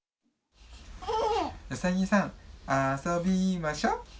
うさぎさん、遊びましょ。